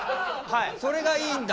それがいいんだ！？